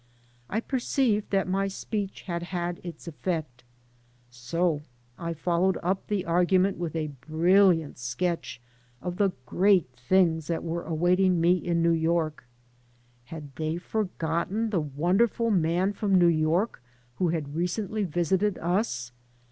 I perceived that my speech had had its effect. So I followed up the argument with a brilliant sketch of the great things that were awaiting me in New York. Had they forgotten the wonderful man from New York who had recently visited us?